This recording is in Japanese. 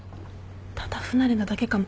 ただ不慣れなだけかも。